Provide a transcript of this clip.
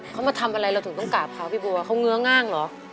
เขามาทำอะไรเราถึงต้องกราบเขาพี่บัวเขาเงื้อง่างเหรอ